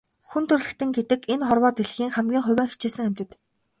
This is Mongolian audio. Хүн төрөлхтөн гэдэг энэ хорвоо дэлхийн хамгийн хувиа хичээсэн амьтад.